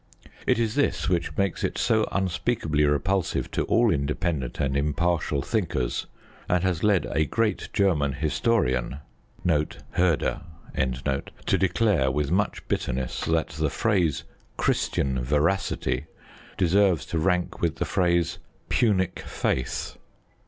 It is this which makes it so unspeakably repulsive to all independent and impartial thinkers, and has led a great German historian (Herder) to declare, with much bitterness, that the phrase "Christian veracity" deserves to rank with the phrase "Punic faith."